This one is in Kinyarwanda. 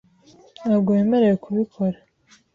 Ntabwo wemerewe kubikora.